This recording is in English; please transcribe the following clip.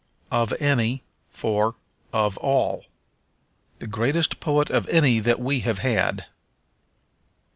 Of Any for Of All. "The greatest poet of any that we have had."